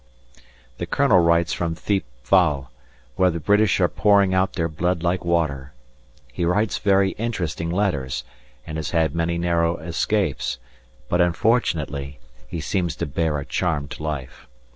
The Colonel writes from Thiepval, where the British are pouring out their blood like water. He writes very interesting letters, and has had many narrow escapes, but unfortunately he seems to bear a charmed life.